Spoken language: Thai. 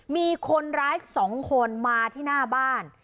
มีคนร้าย๒คนมาที่หน้าบ้าน